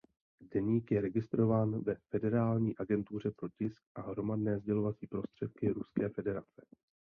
Deník je registrován ve Federální agentuře pro tisk a hromadné sdělovací prostředky Ruské federace.